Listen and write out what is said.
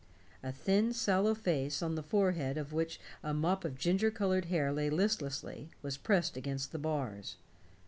A thin sallow face, on the forehead of which a mop of ginger colored hair lay listlessly, was pressed against the bars.